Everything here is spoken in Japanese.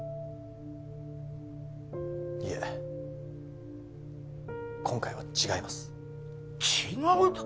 いえ今回は違います違う？